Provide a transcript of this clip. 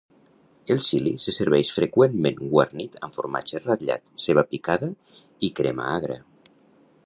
El xili se serveix freqüentment guarnit amb formatge ratllat, ceba picada, i crema agra.